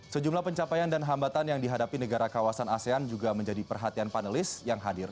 sejumlah pencapaian dan hambatan yang dihadapi negara kawasan asean juga menjadi perhatian panelis yang hadir